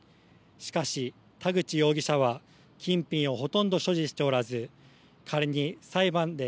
しかし、田口容疑者は金品をほとんど所持しておらず、仮に裁判で